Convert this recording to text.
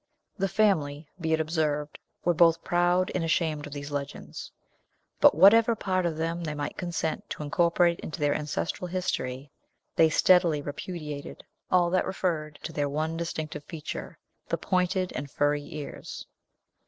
The family, be it observed, were both proud and ashamed of these legends; but whatever part of them they might consent to incorporate into their ancestral history, they steadily repudiated all that referred to their one distinctive feature, the pointed and furry ears.